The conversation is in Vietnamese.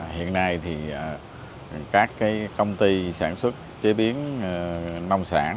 hiện nay thì các công ty sản xuất chế biến nông sản